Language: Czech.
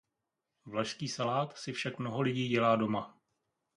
Vlašský salát si však mnoho lidí dělá doma.